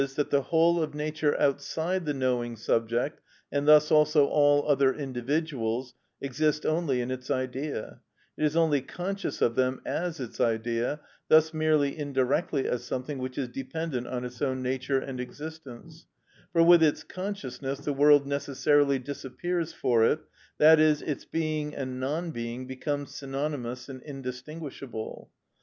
_, that the whole of Nature outside the knowing subject, and thus also all other individuals, exist only in its idea; it is only conscious of them as its idea, thus merely indirectly as something which is dependent on its own nature and existence; for with its consciousness the world necessarily disappears for it, i.e., its being and non being become synonymous and indistinguishable.